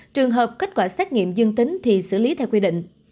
trường hợp kết quả xét nghiệm dương tính thì xử lý theo quy định